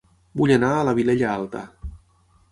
Vull anar a La Vilella Alta